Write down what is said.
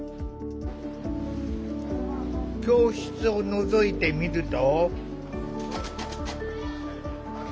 教室をのぞいてみると。